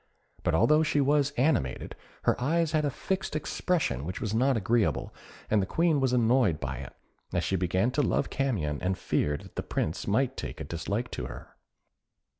But although she was animated, her eyes had a fixed expression which was not agreeable, and the Queen was annoyed by it, as she began to love Camion, and feared that the Prince might take a dislike to her.